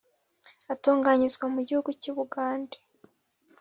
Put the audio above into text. atunganyirizwa mu gihugu cy’Ubugande